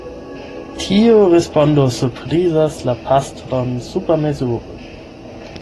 Tiu respondo surprizas la pastron supermezure.